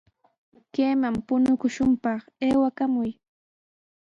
Kayman puñukushunpaq aywakamuy.